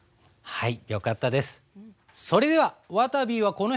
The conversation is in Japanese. はい。